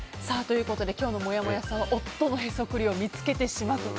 今日のもやもやさんは夫のへそくりを見つけてしまった。